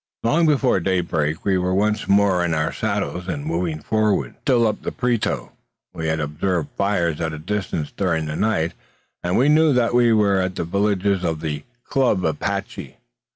Long before daybreak, we were once more in our saddles, and moving onward, still up the Prieto. We had observed fires at a distance during the night, and we knew that they were at the villages of the "Club" Apache.